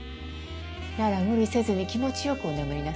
なら無理せずに気持ち良くお眠りなさい。